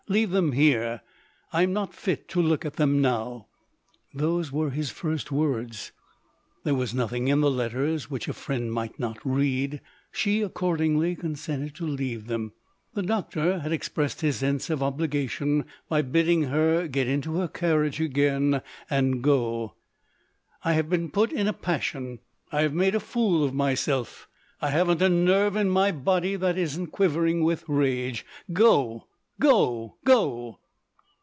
Leave them here; I'm not fit to look at them now." Those were his first words. There was nothing in the letters which a friend might not read: she accordingly consented to leave them. The doctor had expressed his sense of obligation by bidding her get into her carriage again, and go. "I have been put in a passion; I have made a fool of myself; I haven't a nerve in my body that isn't quivering with rage. Go! go! go!"